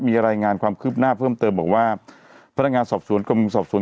มีรายงานความคืบหน้าเพิ่มเติมบอกว่าพนักงานสอบสวนกรมสอบสวน